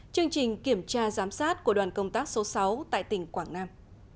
chương trình kiểm tra giám sát của đoàn công tác số sáu tại tỉnh quảng nam